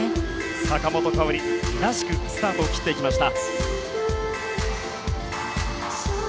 坂本花織らしくスタートを切っていきました。